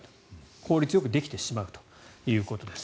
効率よくできてしまうということです。